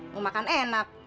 mau makan enak